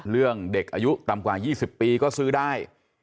เรื่องเด็กอายุต่ำกว่า๒๐ปีก็ซื้อได้